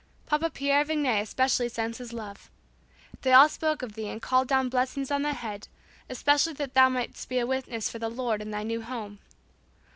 Papa Pierre Vigne especially sends his love. They all spoke of thee and called down blessings on thy head, especially that thou mightst be a witness for the Lord in thy new home.